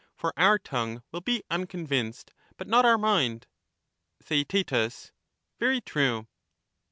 for our tongue will be unconvinced, but not our mind \ Socrates, Theaet Very true.